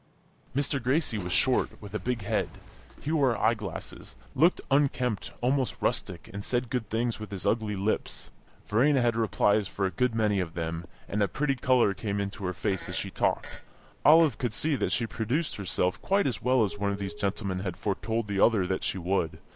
Mr. Gracie was short, with a big head; he wore eye glasses, looked unkempt, almost rustic, and said good things with his ugly lips. Verena had replies for a good many of them, and a pretty colour came into her face as she talked. Olive could see that she produced herself quite as well as one of these gentlemen had foretold the other that she would.